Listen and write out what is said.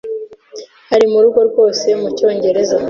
Ari murugo rwose mucyongereza.